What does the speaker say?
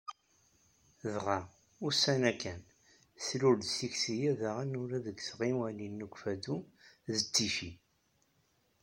Dɣa, ussan-a kan, tlul-d tikti-a daɣen ula deg tɣiwanin n Ukeffadu d Ticci.